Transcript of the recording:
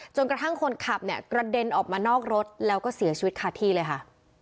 จนกระทั่งคนขับเนี่ยกระเด็นออกมานอกรถแล้วก็เสียชีวิตขาดที่เลยค่ะ